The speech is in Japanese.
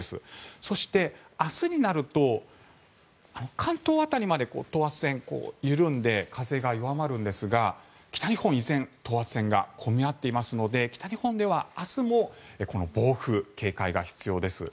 そして、明日になると関東辺りまで等圧線緩んで風が弱まるんですが北日本は依然、等圧線が混み合っていますので北日本では明日もこの暴風警戒が必要です。